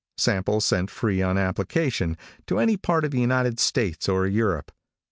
Samples sent free on application, to any part of the United States or Europe.